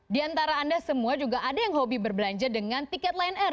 di antara anda semua juga ada yang hobi berbelanja dengan tiket lion air